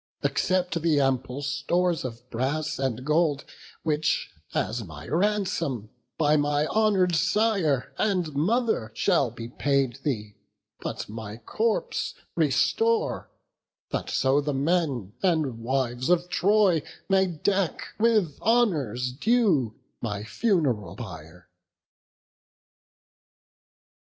Accept the ample stores of brass and gold, Which as my ransom by my honour'd sire And mother shall be paid thee; but my corpse Restore, that so the men and wives of Troy May deck with honours due my fun'ral pyre."